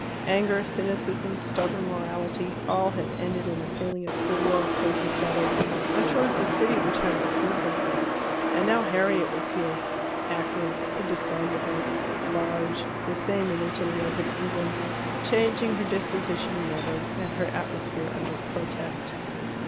Anger, cynicism, stubborn morality all had ended in a feeling of good will towards each other and towards the city which had received them. And now Harriet was here acrid, indissoluble, large; the same in Italy as in England changing her disposition never, and her atmosphere under protest.